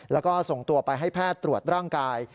แล้วก็ส่งตัวไปให้แพทย์ตรวจร่างกาย